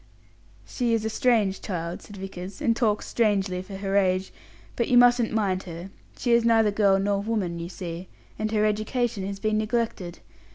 "She is a strange child," said Vickers, "and talks strangely for her age; but you mustn't mind her. She is neither girl nor woman, you see; and her education has been neglected.